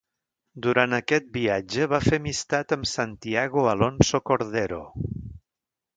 Durant aquest viatge va fer amistat amb Santiago Alonso Cordero.